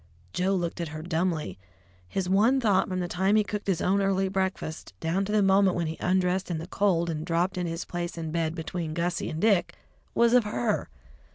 Joe looked at her dumbly. His one thought from the time he cooked his own early breakfast, down to the moment when he undressed in the cold and dropped into his place in bed between Gussie and Dick, was of her.